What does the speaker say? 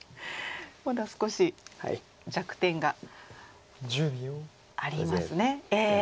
まだ少し弱点がありますね。